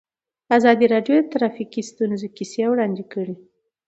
ازادي راډیو د ټرافیکي ستونزې کیسې وړاندې کړي.